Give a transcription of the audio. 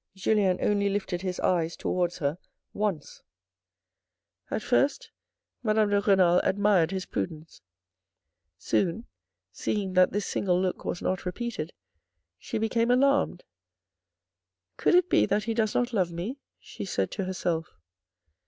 Julien only lifted his eyes towards her once. At first Madame de Renal admired his prudence : soon seeing that this single look was not repeated, she became alarmed. Could it be that he does not love me ? she said to herself.